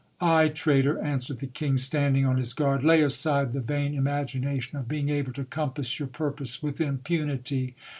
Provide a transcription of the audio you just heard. Ay ! traitor, an swered the king, standing on his guard, lay aside the vain imagination of being able to compass your purpose with impunity.